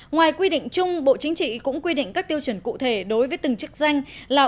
ngoài quy định chung bộ chính trị cũng quy định các tiêu chuẩn cụ thể đối với từng chức danh là